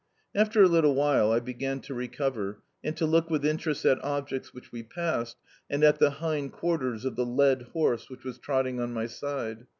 After a little while I began to recover, and to look with interest at objects which we passed and at the hind quarters of the led horse which was trotting on my side.